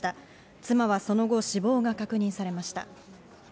妻はその後、死亡が確認されました。